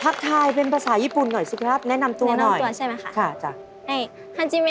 ทักทายเป็นภาษาญี่ปุ่นหน่อยสิครับแนะนำตัวหน่อย